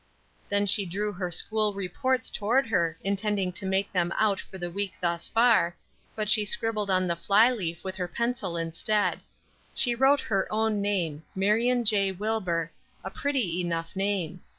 Then she drew her school reports toward her, intending to make them out for the week thus far, but she scribbled on the fly leaf with her pencil instead. She wrote her own name, "Marion J. Wilbur," a pretty enough name.